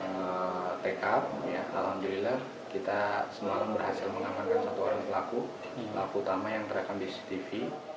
kita alhamdulillah kita semalam berhasil mengamankan satu orang pelaku pelaku utama yang terekam di cctv